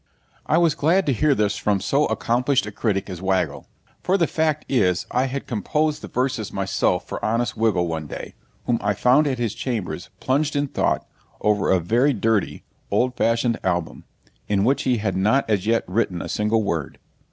I was glad to hear this from so accomplished a critic as Waggle; for the fact is, I had composed the verses myself for honest Wiggle one day, whom I found at his chambers plunged in thought over a very dirty old fashioned album, in which he had not as yet written a single word.